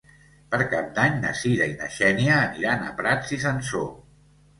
Per Cap d'Any na Sira i na Xènia aniran a Prats i Sansor.